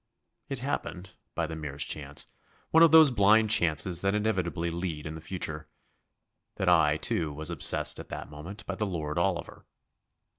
It happened, by the merest chance one of those blind chances that inevitably lead in the future that I, too, was obsessed at that moment by the Lord Oliver.